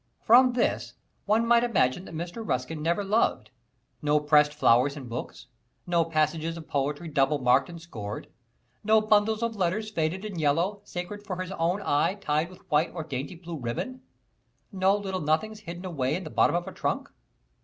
From this one might imagine that Mr. Ruskin never loved no pressed flowers in books; no passages of poetry double marked and scored; no bundles of letters faded and yellow, sacred for his own eye, tied with white or dainty blue ribbon; no little nothings hidden away in the bottom of a trunk.